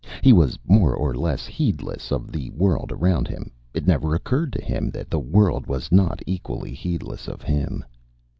He was more or less heedless of the world around him; it never occurred to him that the world was not equally heedless of him.